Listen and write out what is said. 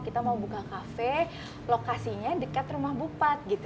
kita mau buka cafe lokasinya dekat rumah bupat